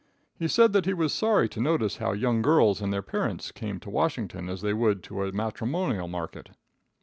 He said that he was sorry to notice how young girls and their parents came to Washington as they would to a matrimonial market.